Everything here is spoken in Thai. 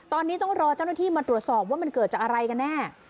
ตอนนี้ต้องรอเจ้าหน้าที่มาตรวจสอบว่ามันเกิดจากอะไรกันแน่